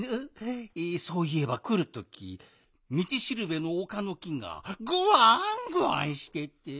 そういえばくるときみちしるべのおかの木がぐわんぐわんしてて。